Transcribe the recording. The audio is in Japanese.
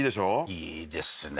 いいですね